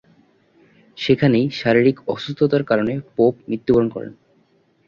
সেখানেই শারীরিক অসুস্থতার কারণে পোপ মৃত্যুবরণ করেন।